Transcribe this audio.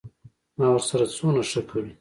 ما ورسره څونه ښه کړي.